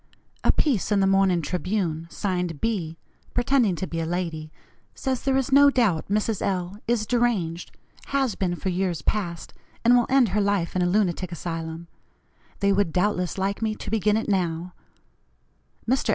A piece in the morning Tribune, signed 'B,' pretending to be a lady, says there is no doubt Mrs. L. is deranged has been for years past, and will end her life in a lunatic asylum. They would doubtless like me to begin it now. Mr.